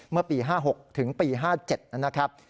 เมื่อปี๕๖ถึงปี๕๗นะครับ